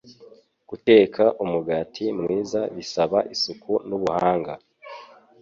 Guteka umugati mwiza bisaba isuku n’ubuhanga.